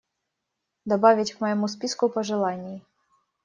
Добавить к моему списку пожеланий.